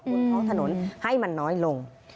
บนท้องถนนให้มันน้อยลง